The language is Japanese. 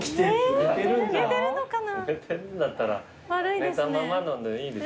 寝てるんだったら寝たままのでいいですよ。